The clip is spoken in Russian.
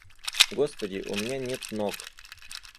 Господи, у меня нет ног.